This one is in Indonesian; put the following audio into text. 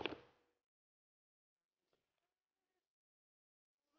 bagaimana kita bisa membuatnya